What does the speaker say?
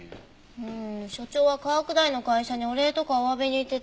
うん所長は川下りの会社にお礼とかおわびに行ってて。